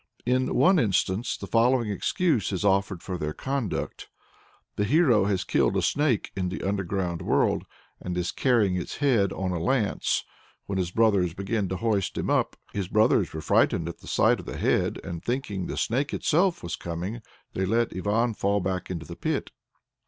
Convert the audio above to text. In one instance, the following excuse is offered for their conduct. The hero has killed a Snake in the underground world, and is carrying its head on a lance, when his brothers begin to hoist him up. "His brothers were frightened at the sight of that head and thinking the Snake itself was coming, they let Ivan fall back into the pit."